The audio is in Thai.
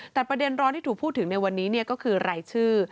แต่ประเด็นร้อนที่ถูกพูดถึงในวันนี้ก็คือรายชื่อ